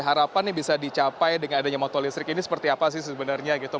harapan yang bisa dicapai dengan adanya motor listrik ini seperti apa sih sebenarnya gitu